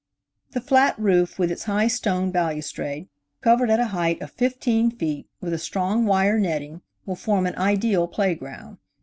The flat roof, with its high stone balustrade, covered at a MRS. CHARLES HENROTIN. height of fifteen feet, with a strong wire netting, will form an ideal play ground.